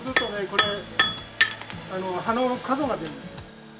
これ刃の角が出るんです。